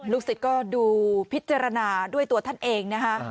สิทธิ์ก็ดูพิจารณาด้วยตัวท่านเองนะคะ